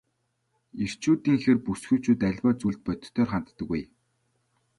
Эрчүүдийнхээр бүсгүйчүүд аливаа зүйлд бодитоор ханддаггүй.